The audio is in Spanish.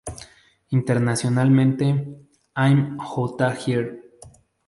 Internacionalmente "I'm Outta Here!